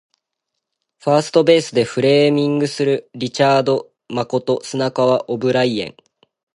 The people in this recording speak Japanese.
ファーストベースでフレーミングするリチャード誠砂川オブライエン